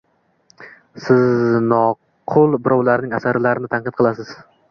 Siz nuqul birovlarning asarlarini tanqid qilasiz.